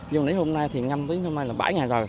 nhưng lấy hôm nay thì ngâm tới hôm nay là bảy ngày rồi